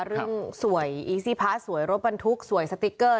เรื่องสวยอีซี่พาร์ทสวยรถบรรทุกสวยสติ๊กเกอร์